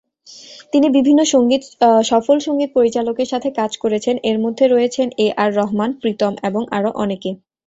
তিনি বিভিন্ন সফল সঙ্গীত পরিচালকের সাথে কাজ করেছেন এর মধ্যে রয়েছেন এ আর রহমান, প্রীতম এবং আরো অনেকে।